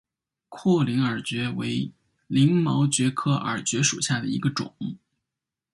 阔鳞耳蕨为鳞毛蕨科耳蕨属下的一个种。